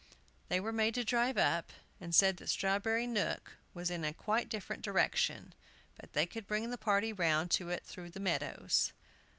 They were made to drive up, and said that Strawberry Nook was in quite a different direction, but they could bring the party round to it through the meadows.